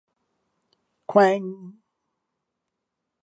Kwang!